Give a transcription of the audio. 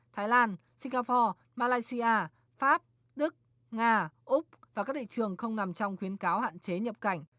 thái lan singapore malaysia pháp đức nga úc và các thị trường không nằm trong khuyến cáo hạn chế nhập cảnh